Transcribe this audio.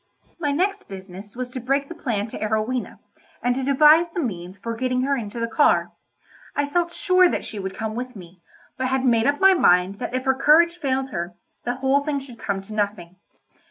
My next business was to break the plan to Arowhena, and to devise the means for getting her into the car. I felt sure that she would come with me, but had made up my mind that if her courage failed her, the whole thing should come to nothing.